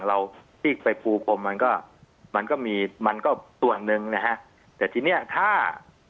เราที่ไปปูพรมมันก็มันก็มีมันก็ส่วนหนึ่งนะฮะแต่ทีเนี้ยถ้า